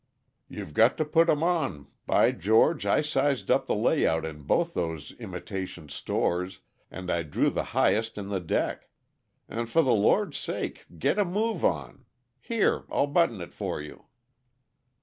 You've got to put 'em on by George, I sized up the layout in both those imitation stores, and I drew the highest in the deck. And for the Lord's sake, get a move on. Here, I'll button it for you."